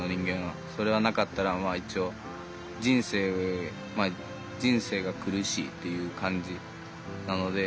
それがなかったらまあ一応人生が苦しいっていう感じなので。